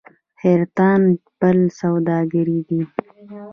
حیرتان پل سوداګریز دی؟